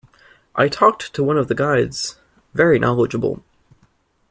I talked to one of the guides – very knowledgeable.